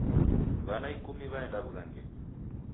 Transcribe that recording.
Wana ikumi waenda wughangenyi